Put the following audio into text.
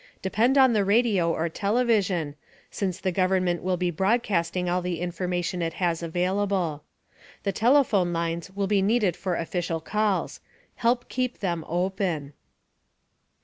Depend on the radio or television, since the government will be broadcasting all the information it has available. The telephone lines will be needed for official calls. Help keep them open.